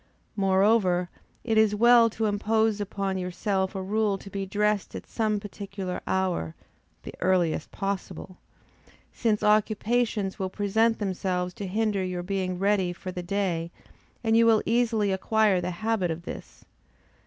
Moreover, it is well to impose upon yourself a rule to be dressed at some particular hour (the earliest possible,) since occupations will present themselves to hinder your being ready for the day; and you will easily acquire the habit of this.